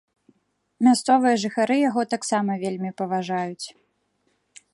Мясцовыя жыхары яго таксама вельмі паважаюць.